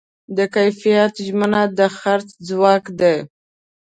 د کیفیت ژمنه د خرڅ ځواک دی.